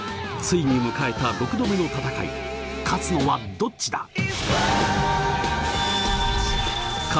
ついに迎えた６度目の戦い勝つのはどっちだ！